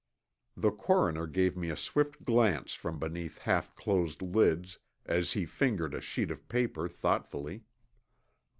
The coroner gave me a swift glance from beneath half closed lids as he fingered a sheet of paper thoughtfully.